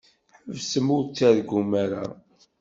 Ḥebsem ur ttargum ara.